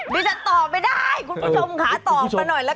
ฉันตอบไม่ได้คุณผู้ชมค่ะตอบมาหน่อยละกัน